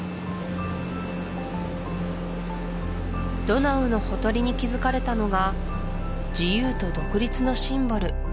ドナウのほとりに築かれたのが自由と独立のシンボル